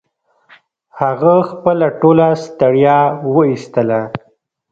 هغه خپله ټوله ستړيا و ایستله